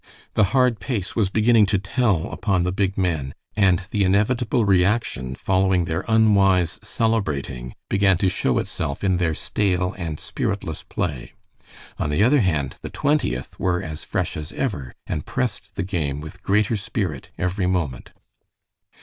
The hard pace was beginning to tell upon the big men, and the inevitable reaction following their unwise "celebrating" began to show itself in their stale and spiritless play. On the other hand, the Twentieth were as fresh as ever, and pressed the game with greater spirit every moment.